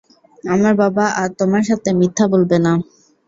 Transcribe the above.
আমার বাবা আর তোমার সাথে মিথ্যা বলবে না।